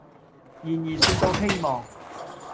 然而說到希望，